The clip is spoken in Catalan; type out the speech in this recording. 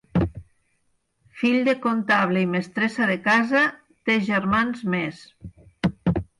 Fill de comptable i mestressa de casa, té germans més.